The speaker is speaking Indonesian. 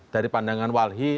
dari pandangan walhi